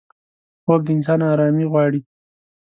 خوب د انسان آرامي غواړي